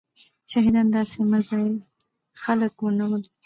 شهيدان داسي ماځي خلک نه ول.